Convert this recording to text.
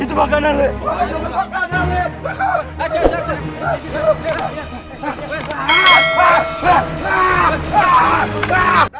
itu makanan nih